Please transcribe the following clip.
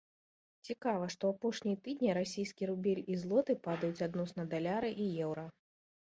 Цікава, што апошнія тыдні расійскі рубель і злоты падаюць адносна даляра і еўра.